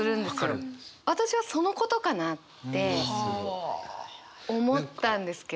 私はそのことかなって思ったんですけど。